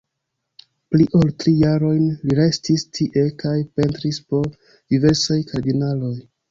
Pli ol tri jarojn li restis tie kaj pentris por diversaj kardinaloj.